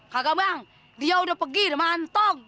kakak bang dia sudah pergi ke mantong